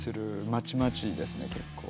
まちまちですね。